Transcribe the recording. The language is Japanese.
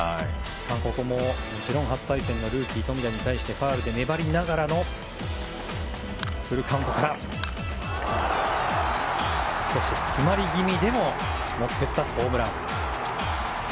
ここも初対戦のルーキー富田に対しファウルで粘りながらフルカウントで少し詰まり気味でも持っていったホームラン。